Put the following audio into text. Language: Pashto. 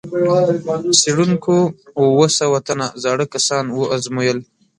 څېړونکو اووه سوه تنه زاړه کسان وازمویل.